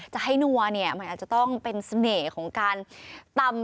จะให้นัวเนี่ยมันอาจจะต้องเป็นเสน่ห์ของการตำ